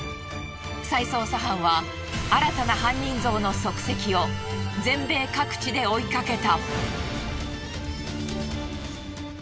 再捜査班は新たな犯人像の足跡を全米各地で追いかけた。